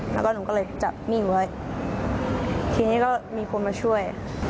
แล้วก็หนูก็เลยจับมิ่งไว้ทีนี้ก็มีคนมาช่วย